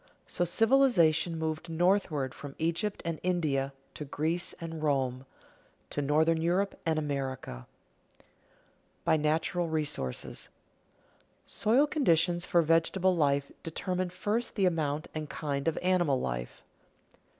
So civilization moved northward from Egypt and India to Greece and Rome, to northern Europe and America. [Sidenote: By natural resources] Soil conditions for vegetable life determine first the amount and kind of animal life.